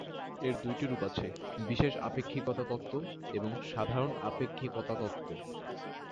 এর দুইটি রূপ আছে: বিশেষ আপেক্ষিকতা তত্ত্ব এবং সাধারণ আপেক্ষিকতা তত্ত্ব।